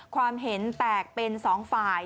ความเห็นแตกเป็นสองฝ่าย